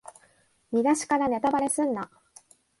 見だしからネタバレすんな